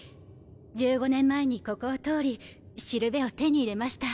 １５年前にここを通り標を手に入れました。